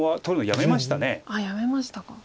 やめましたか。